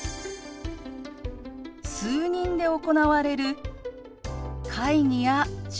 数人で行われる会議や授業。